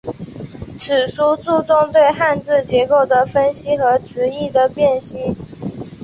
此书注重对汉字结构的分析和词义的辨析。